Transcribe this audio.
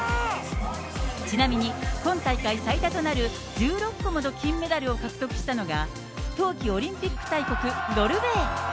ちなみに今大会最多となる１６個もの金メダルを獲得したのが冬季オリンピック大国、ノルウェー。